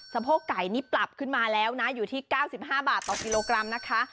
โพกไก่นี่ปรับขึ้นมาแล้วนะอยู่ที่๙๕บาทต่อกิโลกรัมนะคะ